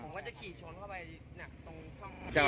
ผมก็จะขี่ชนเข้าไปหนักตรงช่อง